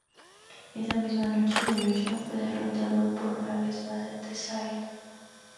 Esa misma noche, Evolution fue derrotado una vez más por The Shield.